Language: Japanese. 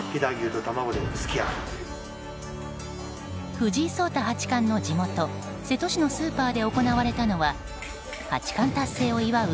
藤井聡太八冠の地元・瀬戸市のスーパーで行われたのは八冠達成を祝う